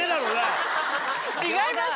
違います。